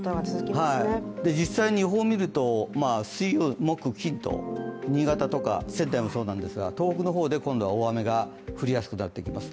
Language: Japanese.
実際に予報を見ると、水木金と、新潟とか仙台もそうなんですが東北の方で今度は大雨が降りやすくなってきます。